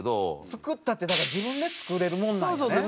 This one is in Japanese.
「作った」ってだから自分で作れるもんなんやね。